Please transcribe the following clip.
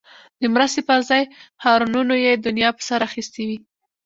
د مرستې پر ځای هارنونو یې دنیا په سر اخیستی وي.